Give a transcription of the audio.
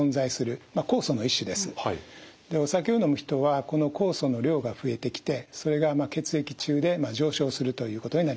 お酒を飲む人はこの酵素の量が増えてきてそれが血液中で上昇するということになります。